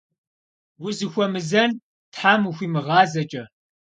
Vuzıxuemızen them vuxuimığazeç'e!